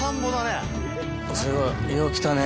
すごいよう来たね